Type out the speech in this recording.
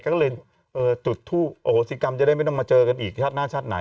แกก็เลยเอาสิกรรมทำให้ไม่ต้องมาเจอกันอีกชาติหน้าชาติไหน